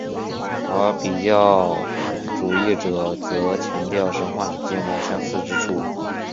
而比较主义者则强调神话之间的相似之处。